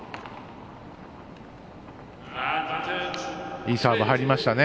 いいサーブ入りましたね。